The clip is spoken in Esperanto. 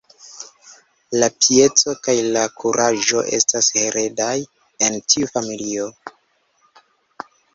La pieco kaj la kuraĝo estas heredaj en tiu familio.